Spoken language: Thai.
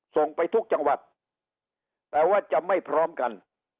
ส่งไปทุกจังหวัดแต่ว่าจะไม่พร้อมกัน